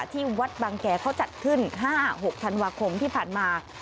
ที่วัดบางแก่เขาจัดขึ้น๕๖ธันวาคมที่ผ่านมา